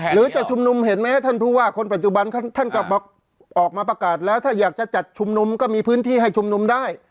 หรือจะชุมนุมเห็นไหมท่านผู้ว่าคนปัจจุบันท่านกลับมาออกมาประกาศแล้วถ้าอยากจะจัดชุมนุมก็มีพื้นที่ให้ชุมนุมได้